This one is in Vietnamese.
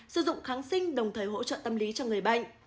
sử dụng kháng sinh đồng thời hỗ trợ tâm lý cho người bệnh